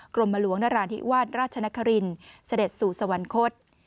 กรมหลวงนราธิวาสราชนครินเสด็จสู่สวรรคต